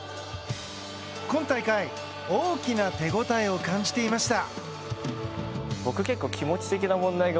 今大会、大きな手応えを感じていました。